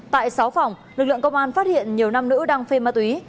tại sáu phòng lực lượng công an phát hiện nhiều nam nữ đang phê ma túy